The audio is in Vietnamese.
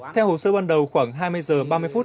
theo hồ sơ ban đầu khoảng hai mươi h ba mươi phút